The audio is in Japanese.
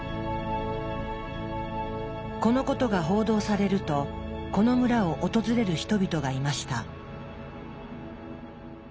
このことが報道されるとこの村を訪れる人々がいました。